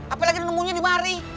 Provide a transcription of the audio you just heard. apalagi nemunya dimari